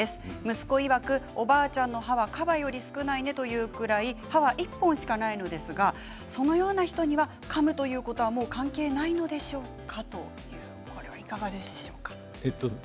息子いわく、おばあちゃんの歯はかばより少ないねというぐらい歯が１本しかないのですがそのような人はかむということはもう関係ないのでしょうか？